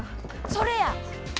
それや！